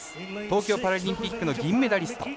東京パラリンピックの銀メダリスト。